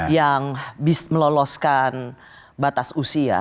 yang meloloskan batas usia